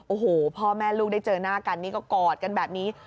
โอ้โหพ่อแม่ลูกได้เจอหน้ากันนี่ก็กอดกันแบบนี้